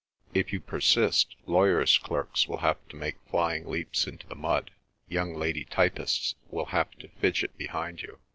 If you persist, lawyers' clerks will have to make flying leaps into the mud; young lady typists will have to fidget behind you.